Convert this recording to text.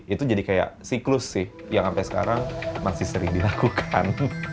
itu jadi kayak siklus sih yang sampai sekarang masih sering dilakukan